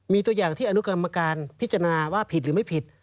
มีตัวอย่างที่อนุกรรมการพิจารณาว่าผิดหรือไม่ผิด